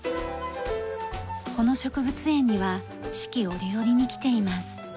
この植物園には四季折々に来ています。